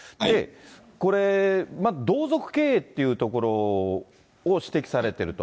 これ、同族経営っていうところを指摘されてると。